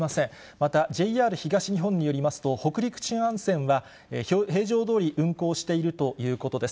またＪＲ東日本によりますと、北陸新幹線は平常どおり運行しているということです。